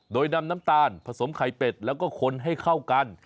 โดยนำน้ำตาลผสมไข่เป็ดแล้วก็คนให้เข้ากัน